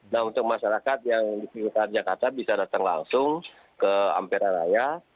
nah untuk masyarakat yang di sekitar jakarta bisa datang langsung ke ampera raya